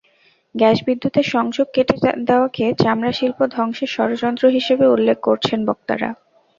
Gas বিদ্যুতের সংযোগ কেটে দেওয়াকে চামড়াশিল্প ধ্বংসের ষড়যন্ত্র হিসেবে উল্লেখ করছেন বক্তারা।